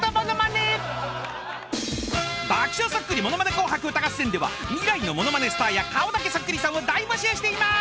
［『爆笑そっくりものまね紅白歌合戦』では未来のものまねスターや顔だけそっくりさんを大募集しています。